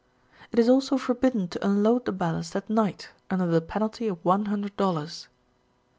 It is also forbidden to unload the ballast at night, undeSr the penalty of 100 dollars.